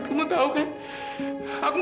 aku gak mungkin pulang ke rumah